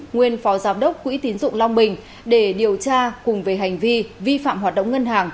nguyên phó giám đốc quỹ tín dụng long bình để điều tra cùng về hành vi vi phạm hoạt động ngân hàng